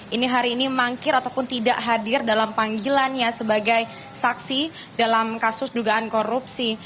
ini hari ini mangkir ataupun tidak hadir dalam panggilannya sebagai saksi dalam kasus dugaan korupsi